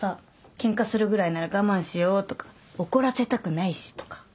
ケンカするぐらいなら我慢しようとか怒らせたくないしとか。